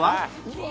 うわ。